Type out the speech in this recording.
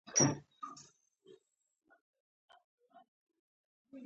کور که مهربان وي، هره ستونزه حل کېدلی شي.